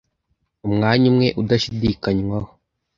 Umwanya umwe udashidikanywaho -